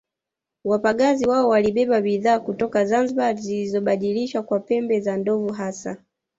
Wapagazi wao walibeba bidhaa kutoka Zanzibar zilizobadilishwa kwa pembe za ndovu hasa